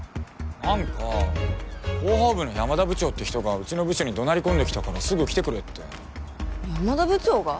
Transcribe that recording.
何か広報部の山田部長って人がうちの部署に怒鳴り込んできたからすぐ来てくれって山田部長が？